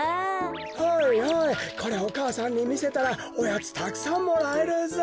はいはいこりゃお母さんにみせたらおやつたくさんもらえるぞ。